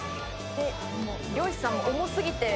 漁師さん重過ぎて。